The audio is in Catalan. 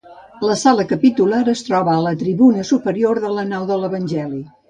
La sala capitular es troba a la tribuna superior de la nau de l'Evangeli.